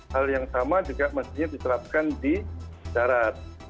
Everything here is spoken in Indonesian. hal yang sama juga mestinya diterapkan di darat